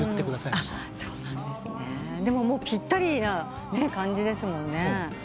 でももうぴったりな感じですもんね。